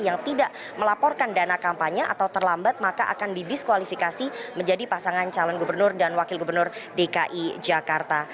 yang tidak melaporkan dana kampanye atau terlambat maka akan didiskualifikasi menjadi pasangan calon gubernur dan wakil gubernur dki jakarta